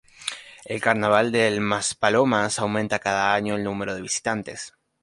El Carnaval del Maspalomas aumenta cada año el número de visitantes.